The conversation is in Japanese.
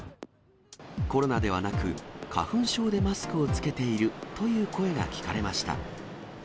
コロナではなく、花粉症でマスクを着けているという声が聞かれました。